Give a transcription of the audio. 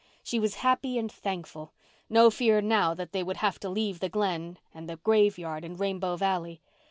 She was happy and thankful. No fear now that they would have to leave the Glen and the graveyard and Rainbow Valley.